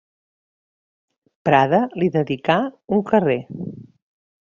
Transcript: Prada li dedicà un carrer.